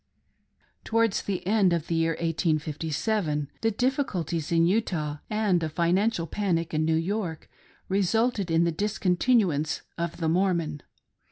Towards the end of the year 1857, the difficulties in Utah, and a financial panic in New York, resulted in the discon tinuance of the Mormon.